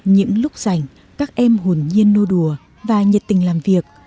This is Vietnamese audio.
những lúc rảnh các em hồn nhiên nô đùa và nhiệt tình làm việc